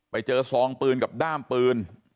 ไปเจอซองปืนกับด้ามปืน